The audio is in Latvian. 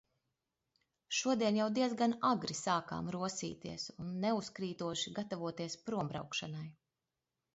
Šodien jau diezgan agri sākām rosīties un neuzkrītoši gatavoties prombraukšanai.